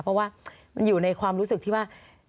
เพราะว่ามันอยู่ในความรู้สึกที่ว่า